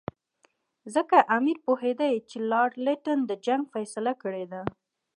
ځکه امیر پوهېدی چې لارډ لیټن د جنګ فیصله کړې ده.